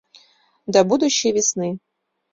До будущей весны.